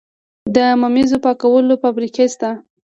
د ممیزو پاکولو فابریکې شته؟